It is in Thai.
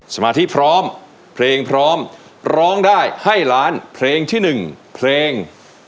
สมาธิพร้อมเพลงพร้อมร้องได้ให้ล้านเพลงที่๑เพลง